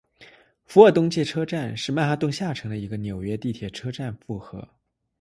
福尔顿街车站是曼哈顿下城的一个纽约地铁车站复合。